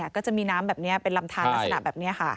ก็จะมีน้ำแบบนี้เป็นลำทานลักษณะแบบนี้ค่ะ